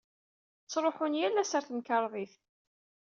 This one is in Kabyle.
Tttruḥun yal ass ɣer temkarḍit.